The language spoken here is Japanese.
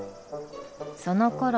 そのころ